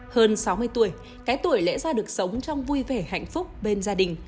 hơn sáu mươi tuổi cái tuổi lẽ ra được sống trong vui vẻ hạnh phúc bên gia đình